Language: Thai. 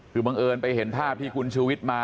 คือบังเอิญไปเห็นภาพที่คุณชูวิทย์มา